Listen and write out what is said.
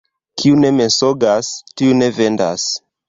Kiu ne mensogas, tiu ne vendas.